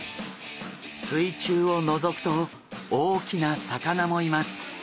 水中をのぞくと大きな魚もいます。